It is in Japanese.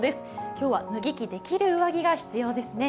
今日は脱ぎ着できる上着が必要ですね。